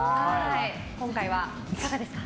今回はいかがですか？